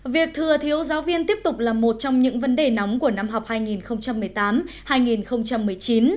việc thừa thiếu giáo viên tiếp tục là một trong những vấn đề nóng của năm học hai nghìn một mươi tám hai nghìn một mươi chín